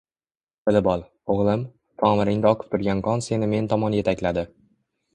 Bilib ol, oʻgʻlim, tomiringda oqib turgan qon seni men tomon yetakladi.